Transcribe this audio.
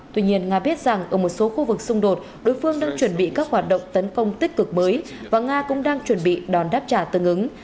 tuy nhiên nga biết rằng ở một số khu vực xung đột đối phương đang chuẩn bị các hoạt động tấn công tích cực mới và nga cũng đang chuẩn bị đòn đáp trả tương ứng